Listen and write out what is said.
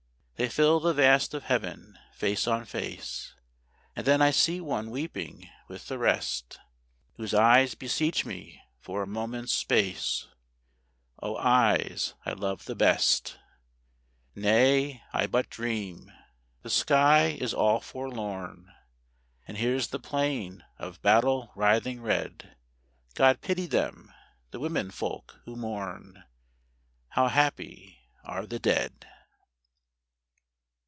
They fill the vast of Heaven, face on face; And then I see one weeping with the rest, Whose eyes beseech me for a moment's space. ... Oh eyes I love the best! Nay, I but dream. The sky is all forlorn, And there's the plain of battle writhing red: God pity them, the women folk who mourn! How happy are the dead!